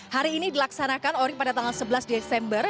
hari ini dilaksanakan ori pada tanggal sebelas desember